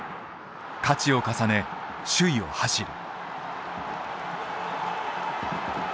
勝ちを重ね首位を走る。